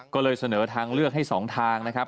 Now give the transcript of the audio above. ก็เลยเสนอทางเลือกให้๒ทางนะครับ